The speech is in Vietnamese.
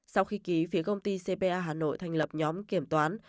sau khi ký phía công ty cpa hà nội thành lập nhóm kiểm toán